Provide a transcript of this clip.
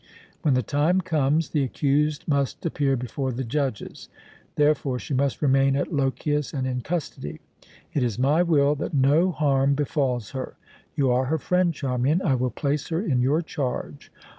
When the time comes, the accused must appear before the judges; therefore she must remain at Lochias and in custody. It is my will that no harm befalls her. You are her friend, Charmian. I will place her in your charge.